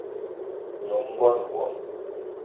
Nyom ngón wmo